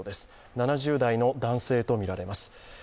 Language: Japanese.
７０代の男性とみられます。